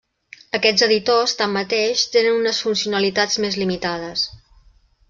Aquests editors, tanmateix, tenen unes funcionalitats més limitades.